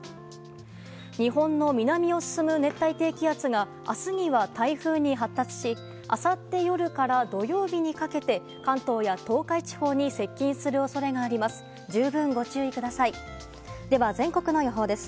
日本の南を進む熱帯低気圧が明日には台風に発達しあさって夜から土曜日にかけて関東や東海地方に接近する恐れがあります。